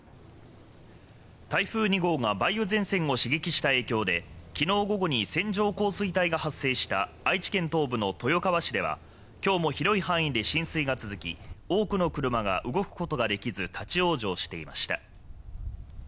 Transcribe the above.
台風２号が梅雨前線を刺激した影響で昨日午後に線状降水帯が発生した愛知県東部の豊川市では、今日も広い範囲で浸水が続き、多くの車が動くことができず立往生していました。